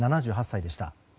７８歳でした。